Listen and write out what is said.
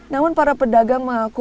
namun para pedagang mengatakan